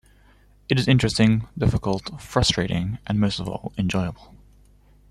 It is interesting, difficult, frustrating, and most of all, enjoyable.